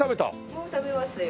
もう食べましたよ。